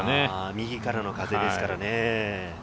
右からの風ですからね。